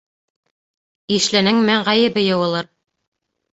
Ишленең мең ғәйебе йыуылыр